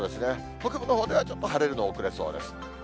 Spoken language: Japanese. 北部のほうではちょっと晴れるの遅れそうです。